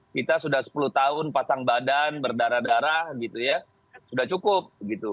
kita sudah sepuluh tahun pasang badan berdarah darah gitu ya sudah cukup gitu